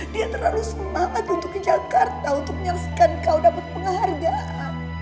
dia terlalu semangat untuk ke jakarta untuk menyelesaikan kau dapat penghargaan